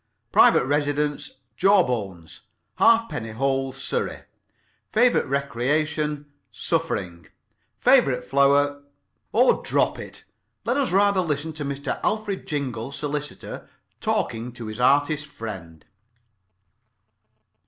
Private residence, Jawbones, Halfpenny Hole, Surrey. Favorite recreation, suffering. Favorite flower—— Oh, drop it! Let us rather listen to Mr. Alfred Jingle, solicitor, talking to his artist friend.